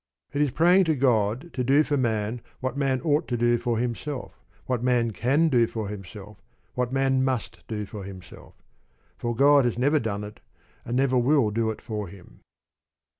It is praying to God to do for Man what Man ought to do for himself, what Man can do for himself, what Man must do for himself; for God has never done it, and will never do it for him.